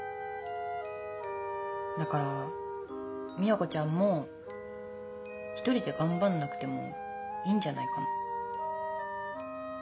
だから美和子ちゃんも１人で頑張んなくてもいいんじゃないかな。